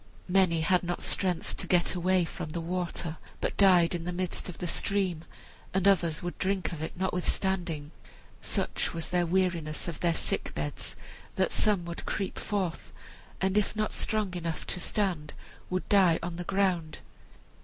Many had not strength to get away from the water, but died in the midst of the stream, and others would drink of it notwithstanding. Such was their weariness of their sick beds that some would creep forth, and if not strong enough to stand, would die on the ground.